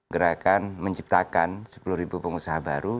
gerakan menciptakan sepuluh pengusaha baru